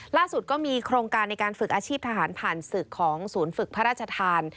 ล่าสุดก็มีโครงการในการฝึกอาชีพทหารผ่านศึกของศูนย์ฝึกพระราชทาน